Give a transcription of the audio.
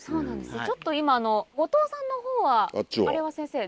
ちょっと今五島さんのほうはあれは先生？